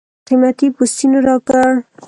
قېمتي پوستین راکړ.